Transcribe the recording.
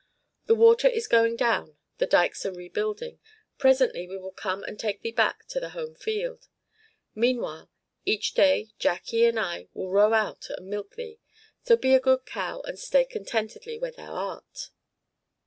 "The water is going down, the dikes are rebuilding, presently we will come and take thee back to the home field. Meanwhile each day Jacque and I will row out and milk thee; so be a good cow and stay contentedly where thou art."